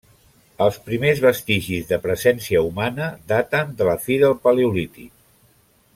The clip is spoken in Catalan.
Els primers vestigis de presència humana daten de la fi del Paleolític.